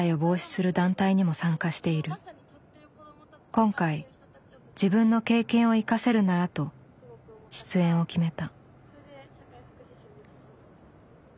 今回自分の経験を生かせるならと出演を決めた。